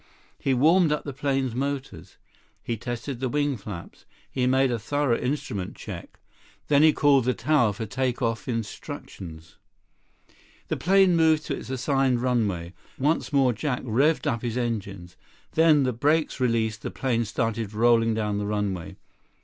He warmed up the plane's motors. He tested the wing flaps. He made a thorough instrument check. Then he called the tower for take off instructions. The plane moved to its assigned runway. Once more Jack revved up his engines. Then, the brakes released, the plane started rolling down the runway.